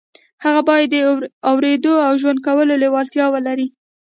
هغه بايد د اورېدو او ژوند کولو لېوالتیا ولري.